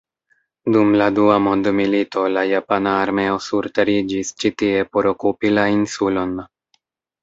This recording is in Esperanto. Dum la Dua Mondmilito la japana armeo surteriĝis ĉi tie por okupi la insulon.